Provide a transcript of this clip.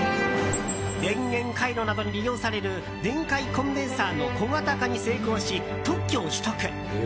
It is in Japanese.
電源回路などに利用される電解コンデンサーの小型化に成功し特許を取得。